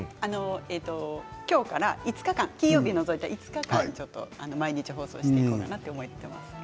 今日から５日間金曜日を除いて５日間毎日放送していこうかなと思っています。